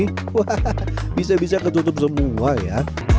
hahaha bisa bisa ketutup semua ya